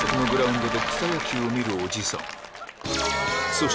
そして